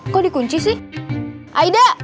kok dikunci sih aida